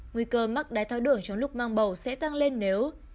nguy cơ mắc đai thói đường trong lúc mang bầu sẽ tăng lên nếu